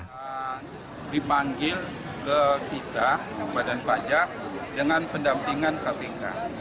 kita dipanggil ke kita badan pajak dengan pendampingan kpk